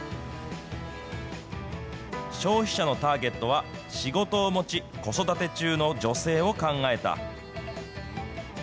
消費者のターゲットは、仕事を持ち、子育て中の女性を考えた。